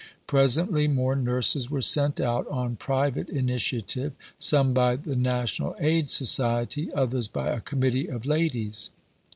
Presently more nurses were sent out on private initiative some by the National Aid Society, others by a committee of ladies.